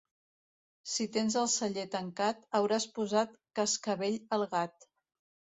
Si tens el celler tancat, hauràs posat cascavell al gat.